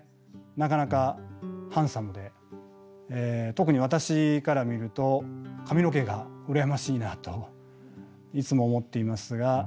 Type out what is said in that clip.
なかなかハンサムで特に私から見ると髪の毛が羨ましいなといつも思っていますが。